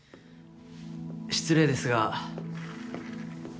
失礼ですが。